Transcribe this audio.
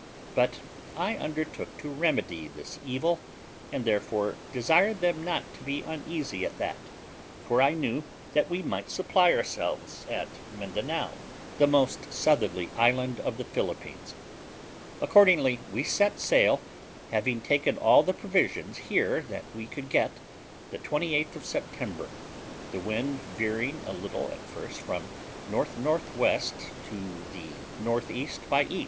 But I undertook to remedy this evil, and therefore desired them not to be uneasy at that, for I knew that we might supply ourselves at Mindanao, the most southerly island of the Philippines. Accordingly, we set sail, having taken all the provisions here that we could get, the 28th of September, the wind veering a little at first from the N.N.W. to the N.E. by E.